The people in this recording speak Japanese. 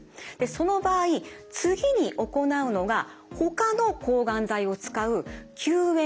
その場合次に行うのがほかの抗がん剤を使う救援